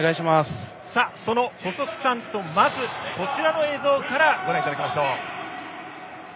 その細木さんとまず、こちらの映像からご覧いただきましょう。